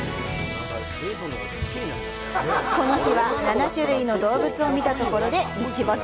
この日は７種類の動物を見たところで日没。